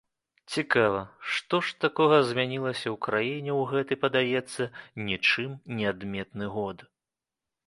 Цікава, што ж такога змянілася ў краіне ў гэты, падаецца, нічым не адметны год?